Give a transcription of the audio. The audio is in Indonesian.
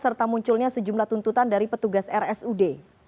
serta munculnya sejumlah tuntutan dari petugas rsud